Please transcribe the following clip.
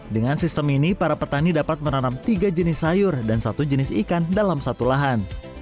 dengan sistem ini para petani dapat menanam tiga jenis sayur dan satu jenis ikan dalam satu lahan